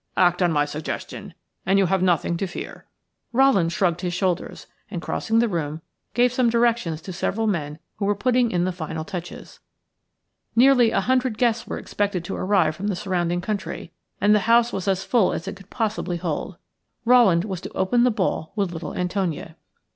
"Act on my suggestion and you have nothing to fear." Rowland shrugged his shoulders, and crossing the room gave some directions to several men who were putting in the final touches. Nearly a hundred guests were expected to arrive from the surrounding country, and the house was as full as it could possibly hold. Rowland was to open the ball with little Antonia.